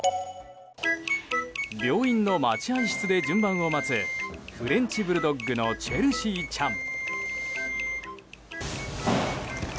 病院の待合室で順番を待つフレンチブルドッグのチェルシーちゃん。